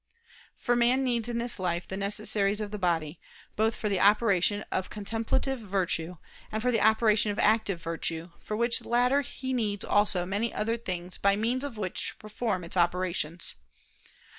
For man needs in this life, the necessaries of the body, both for the operation of contemplative virtue, and for the operation of active virtue, for which latter he needs also many other things by means of which to perform its operations.